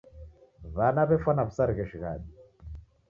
W'ana w'efwana w'isarighie shighadi.